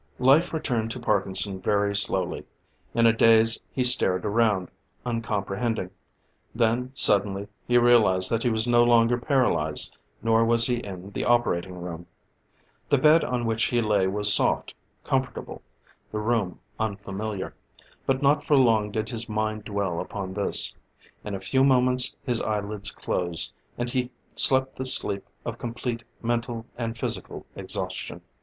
Life returned to Parkinson very slowly. In a daze he stared around, uncomprehending. Then suddenly he realized that he was no longer paralyzed: nor was he in the operating room. The bed on which he lay was soft, comfortable; the room, unfamiliar. But not for long did his mind dwell upon this; in a few moments his eyelids closed, and he slept the sleep of complete mental and physical exhaustion.